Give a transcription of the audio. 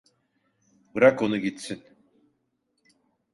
Bırak onu gitsin!